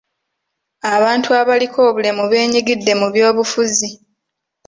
Abantu abaliko obulemu beenyigidde mu byobufuzi.